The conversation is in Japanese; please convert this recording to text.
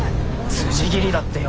つじ斬りだってよ。